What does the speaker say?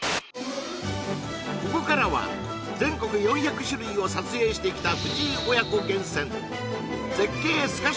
ここからは全国４００種類を撮影してきた